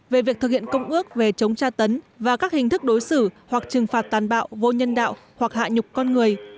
về việc thực hiện công ước về chống tra tấn và các hình thức đối xử hoặc trừng phạt tàn bạo vô nhân đạo hoặc hạ nhục con người